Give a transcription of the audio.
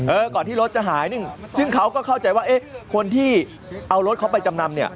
ก่อนที่รถจะหายซึ่งเขาก็เข้าใจว่าเอ๊ะคนที่เอารถเขาไปจำนำเนี่ย